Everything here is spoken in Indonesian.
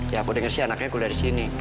ya aku denger sih anaknya kuliah disini